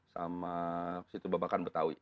sama situ babakan betawi